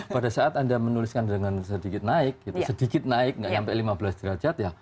pada saat anda menuliskan dengan sedikit naik sedikit naik nggak sampai lima belas derajat ya